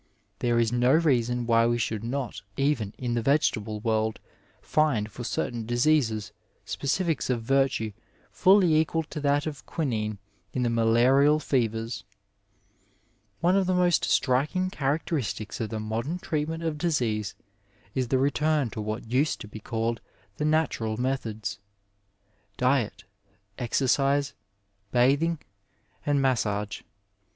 There is no reason why we should not even in the vegetable world find for certain diseases specifics of virtue fully equal to that of quinine in the malarial One of the most striking characteristics of the modem treatment of disease is the return to what used to be called the natural methods — diet, exercise, bathing and massage.